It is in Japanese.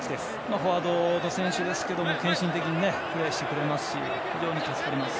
フォワードの選手ですが献身的にプレーしてくれますし非常に助かります。